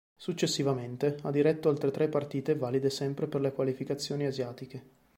Successivamente, ha diretto altre tre partite valide sempre per le qualificazioni asiatiche.